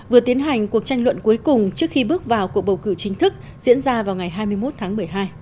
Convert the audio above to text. vừa tiến hành cuộc tranh luận cuối cùng trước khi bước vào cuộc bầu cử chính thức diễn ra vào ngày hai mươi một tháng một mươi hai